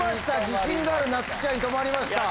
自信があるなつきちゃんに止まりました！